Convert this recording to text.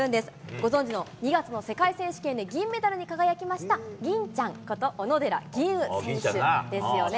ご存じの２月の世界選手権で銀メダルに輝きました、吟ちゃんこと、小野寺吟雲選手ですよね。